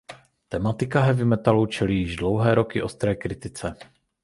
Tematika heavy metalu čelí již dlouhé roky ostré kritice.